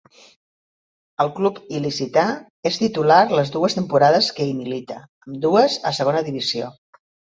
Al club il·licità és titular les dues temporades que hi milita, ambdues a Segona Divisió.